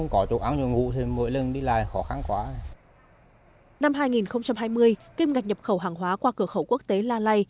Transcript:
năm hai nghìn hai mươi kim ngạch nhập khẩu hàng hóa qua cửa khẩu quốc tế lalay